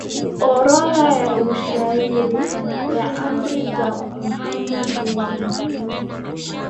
orodha ya ushauri na amri za Mohammed zinaonekana